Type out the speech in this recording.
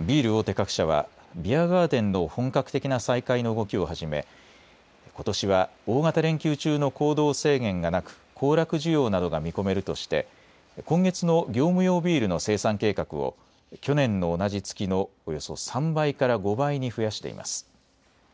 ビール大手各社はビアガーデンの本格的な再開の動きをはじめことしは大型連休中の行動制限がなく行楽需要などが見込めるとして今月の業務用ビールの生産計画を去年の同じ月のおよそ３倍から５倍に増やしています。